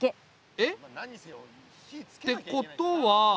えっ？てことは。